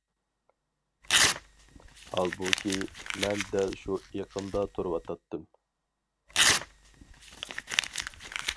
ھالبۇكى، مەن دەل شۇ ئېقىندا تۇرۇۋاتاتتىم.